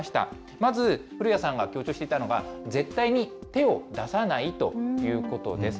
まず、古谷さんが強調していたのが、絶対に手を出さないということです。